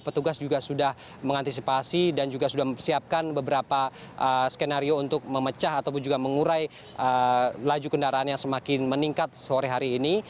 petugas juga sudah mengantisipasi dan juga sudah mempersiapkan beberapa skenario untuk memecah ataupun juga mengurai laju kendaraan yang semakin meningkat sore hari ini